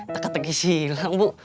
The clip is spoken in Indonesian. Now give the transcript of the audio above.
tadi disilang bu